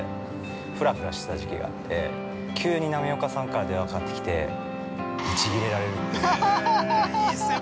ふらふらしてた時期があって急に波岡さんから電話かかってきてぶちぎれられるっていう。